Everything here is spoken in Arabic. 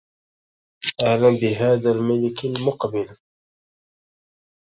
أهلا بهذا الملك المقبل